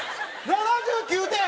７９点！？